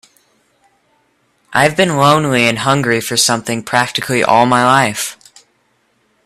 I've been lonely and hungry for something practically all my life.